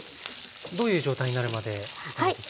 どういう状態になるまで炒めていきますか？